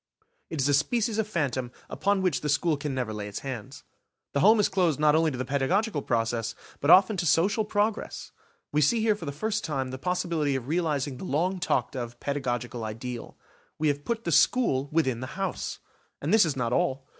It is a species of phantom upon which the school can never lay its hands. The home is closed not only to the pedagogical progress, but often to social progress. We see here for the first time the possibility of realising the long talked of pedagogical ideal. We have put the school within the house; and this is not all.